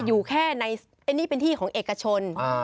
อยู่แค่ในนี่เป็นที่ของเอกชน